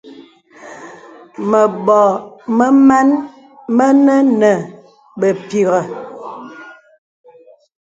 Mə̀bɔ̀ mə màn mə nə́ nə̀ bèpìghə̀.